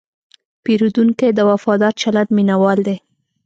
پیرودونکی د وفادار چلند مینهوال دی.